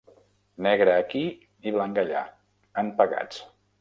Negre aquí i blanc allà, en pegats.